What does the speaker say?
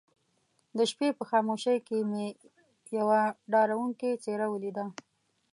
د شپې په خاموشۍ کې مې يوه ډارونکې څېره وليده.